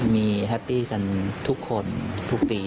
มีสุขภัยกันทุกคนทุกปี